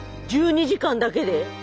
１２時間だけで？